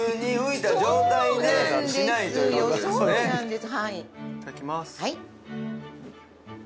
いただきます